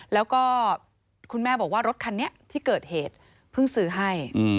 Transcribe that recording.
แล้วก็คุณแม่บอกว่ารถคันนี้ที่เกิดเหตุเพิ่งซื้อให้